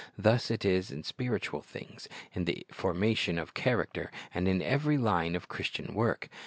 Thus it is in spiritual things, in the formation of character, and in every line of Christian work.